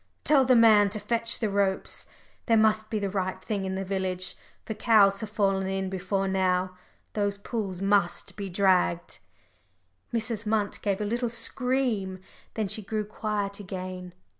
Tell the man to fetch the ropes there must be the right thing in the village, for cows have fallen in before now; those pools must be dragged." Mrs. Munt gave a little scream. Then she grew quiet again.